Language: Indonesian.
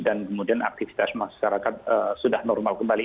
dan kemudian aktivitas masyarakat sudah normal kembali